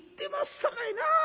さかいな